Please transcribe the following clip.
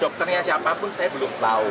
dokternya siapapun saya belum tahu